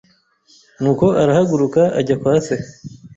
Nuko arahaguruka ajya kwa se.